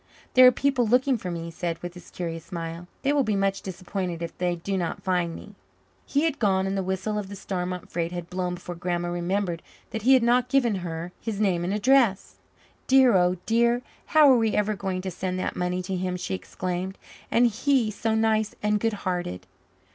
"There are people looking for me," he said with his curious smile. "They will be much disappointed if they do not find me." He had gone, and the whistle of the Starmont freight had blown before Grandma remembered that he had not given her his name and address. "Dear, oh dear, how are we ever going to send that money to him?" she exclaimed. "And he so nice and goodhearted!"